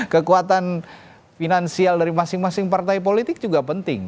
kekuatan finansial dari masing masing partai politik juga penting